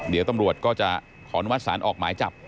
เดี๋ยวตำรวจก็จะขออนุมัติศาลออกหมายจับ